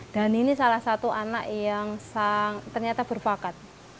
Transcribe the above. dan ini salah satu anak yang ternyata berpakat